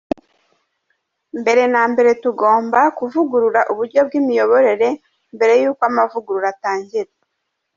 "Mbere na mbere tugomba kuvugurura uburyo bw'imiyoborere mbere yuko amavugurura atangira".